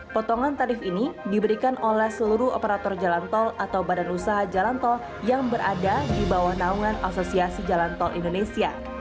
potongan tarif ini diberikan oleh seluruh operator jalan tol atau badan usaha jalan tol yang berada di bawah naungan asosiasi jalan tol indonesia